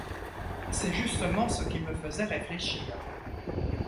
C’est justement ce qui me faisait réfléchir.